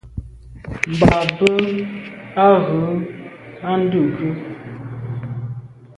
Mba be a’ ghù à ndùke.